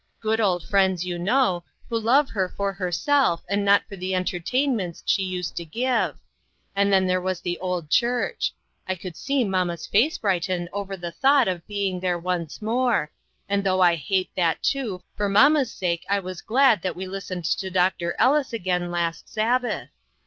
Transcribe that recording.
Good old friends, you know, who love her for herself, and not for the entertainments she used to give. And then there was the old church. I could see mamma's face brighten over the thought of being there once more ; and though I hate that too, for mamma's sake, I was glad that we listened to Dr. Ellis again last Sabbath.